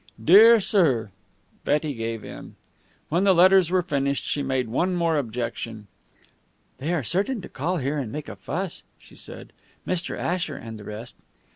'Dear Sir '" Betty gave in. When the letters were finished, she made one more objection. "They are certain to call here and make a fuss," she said, "Mr. Asher and the rest."